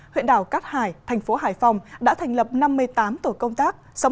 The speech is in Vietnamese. huyện đảo cát hải thành phố hải phòng đã thành lập năm mươi tám tổ công tác